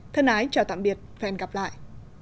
thân ái chào tạm biệt và hẹn gặp lại